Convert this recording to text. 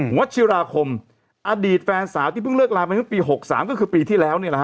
หัวชิราคมอดีตแฟนสาวที่เพิ่งเลือกราวเป็นปี๖๓ก็คือปีที่แล้วนี่นะฮะ